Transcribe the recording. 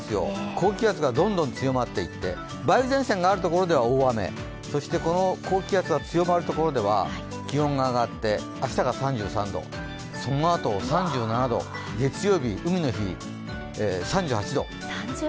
高気圧がどんどん強まっていって梅雨前線があるところでは大雨、そしてこの高気圧が強まるところでは気温が上がって明日が３３度、そのあと３７度月曜日、海の日３８度。